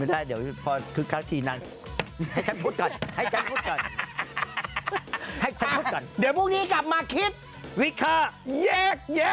เดี๋ยวพรุ่งนี้กลับมาคิดวิเคราะห์